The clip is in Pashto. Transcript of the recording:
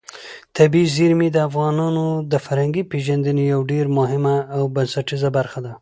طبیعي زیرمې د افغانانو د فرهنګي پیژندنې یوه ډېره مهمه او بنسټیزه برخه ده.